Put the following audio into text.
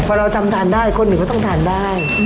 พอเราทำทานได้คนหนึ่งก็ต้องทานได้